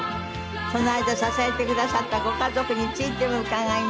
その間支えてくださったご家族についても伺います。